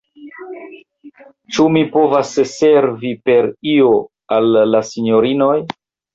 Ĉu mi povas servi per io al la sinjorinoj?